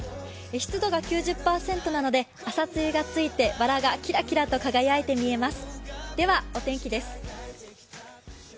湿度が９０％なので朝露がついてバラがキラキラと輝いて見えます。